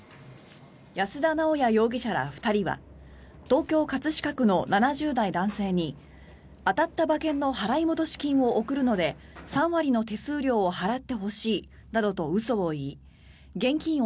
安田直弥容疑者ら２人は東京・葛飾区の７０代男性に当たった馬券の払戻金を送るので３割の手数料を払ってほしいなどと嘘を言い現金